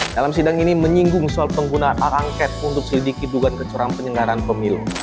dalam sidang ini menyinggung soal pengguna aangket untuk selidiki duga kecurangan penyelenggaraan pemilu